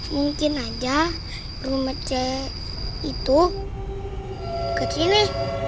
mungkin aja rumah cewek itu ke sini